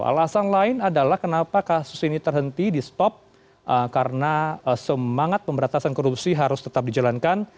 alasan lain adalah kenapa kasus ini terhenti di stop karena semangat pemberantasan korupsi harus tetap dijalankan